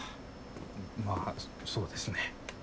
まあそうですね。